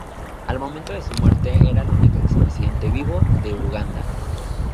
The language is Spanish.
Al momento de su muerte era el único expresidente vivo de Uganda.